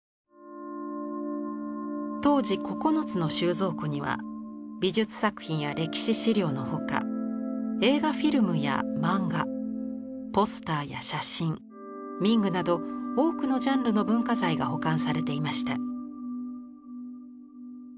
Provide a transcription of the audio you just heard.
当時９つの収蔵庫には美術作品や歴史資料の他映画フィルムやマンガポスターや写真民具など多くのジャンルの文化財が保管されていました。